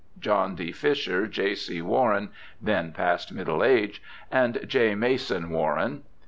John D. Fisher, J. C. Warren (then past middle age), and J. Mason Warren.